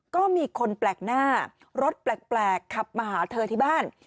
ก็มีคนแปลกหน้ารถแปลกขับมาหาเธอที่บ้าน